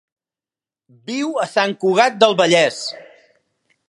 Viu a Sant Cugat del Vallès.